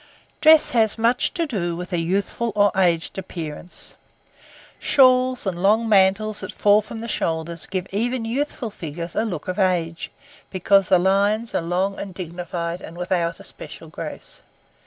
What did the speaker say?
Dress has much to do with a youthful or aged appearance. Shawls and long mantles that fall from the shoulders give even youthful figures a look of age, because the lines are long and dignified and without especial grace.